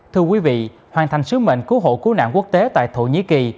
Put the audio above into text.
thưa quý vị hoàn thành sứ mệnh cứu hộ cứu nạn quốc tế tại thổ nhĩ kỳ